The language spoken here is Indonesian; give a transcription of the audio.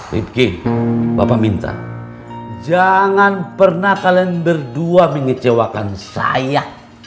fitke bapak minta jangan pernah kalian berdua mengecewakan saya